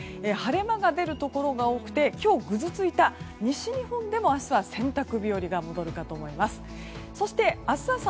晴れ間が出るところが多くて今日ぐずついた西日本でも明日は洗濯日和が戻るかと思います。